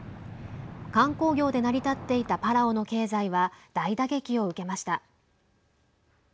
観光業で成り立っていたパラオの経済は大打撃を受けました。